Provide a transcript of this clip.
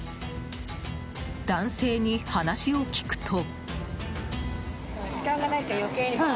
男性に話を聞くと。